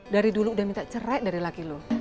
dari dulu udah minta cerai dari laki lu